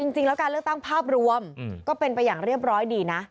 จริงแล้วการเลือกตั้งภาพรวมก็เป็นไปอย่างเรียบร้อยดีนะ